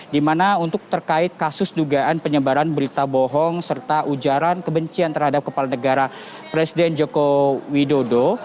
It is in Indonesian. di mana untuk terkait kasus dugaan penyebaran berita bohong serta ujaran kebencian terhadap kepala negara presiden joko widodo